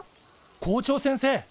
校長先生！